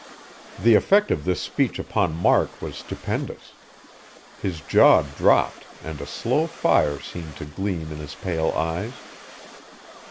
The effect of this speech upon Mark was stupendous. His jaw dropped and a slow fire seemed to gleam in his pale eyes.